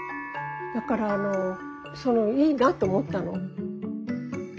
だからそのいいなと思ったの。